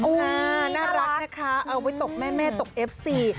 น่ารักนะคะเอาไว้ตกแม่ตกเอฟซี